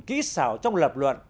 kỹ xảo trong lập luận